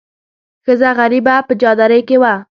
ښځه غریبه په چادرۍ کې وه.